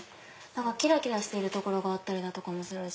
キラキラしてる所があったりだとかもするし。